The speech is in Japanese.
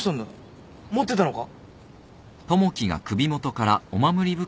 持ってたのか？